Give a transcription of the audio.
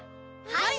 はい！